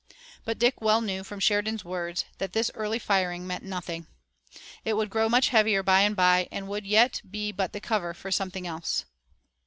But Dick well knew from Sheridan's words that this early firing meant nothing. It would grow much heavier bye and bye and it would yet be but the cover for something else.